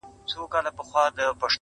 چا یې نه سوای د قدرت سیالي کولای٫